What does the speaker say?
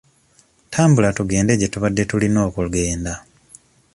Tambula tugende gye tubadde tulina okugenda.